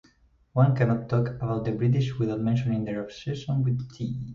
One cannot talk about the British without mentioning their obsession with tea.